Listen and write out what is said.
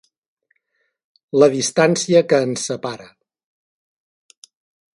La distància que ens separa.